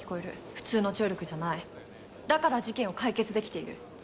普通の聴力じゃないだから事件を解決できている。